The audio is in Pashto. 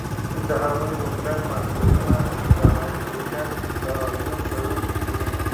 د هغوي اوبلن محلولونه د هایدروجن د آیون لرونکي دي.